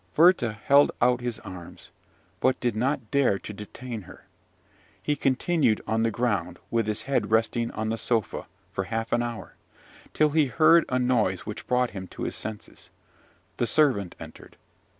Werther held out his arms, but did not dare to detain her. He continued on the ground, with his head resting on the sofa, for half an hour, till he heard a noise which brought him to his senses. The servant entered.